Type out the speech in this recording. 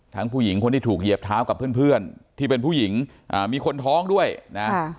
ผู้หญิงคนที่ถูกเหยียบเท้ากับเพื่อนเพื่อนที่เป็นผู้หญิงอ่ามีคนท้องด้วยนะ